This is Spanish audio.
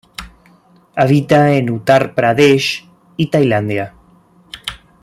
Habita en Uttar Pradesh y Tailandia.